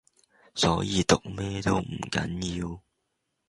所以讀咩都唔緊要⠀